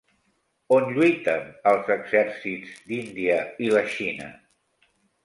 On lluiten els exèrcits d'Índia i la Xina?